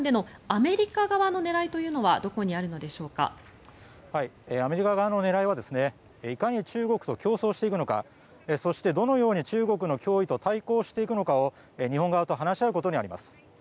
アメリカ側の狙いはいかに中国と競争していくのかそして、どのように中国の脅威と対抗していくのかを日本側と話し合うことにあります。